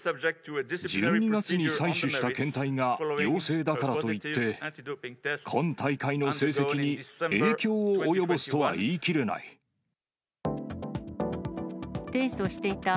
１２月に採取した検体が陽性だからといって、今大会の成績に影響を及ぼすとは言いきれない。